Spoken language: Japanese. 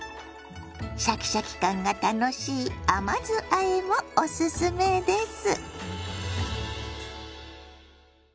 シャキシャキ感が楽しい甘酢あえもおすすめです。